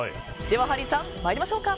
ではハリーさん、参りましょうか。